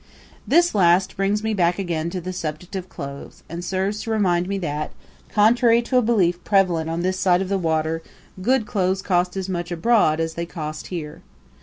This last brings us back again to the subject of clothes and serves to remind me that, contrary to a belief prevalent on this side of the water, good clothes cost as much abroad as they cost here.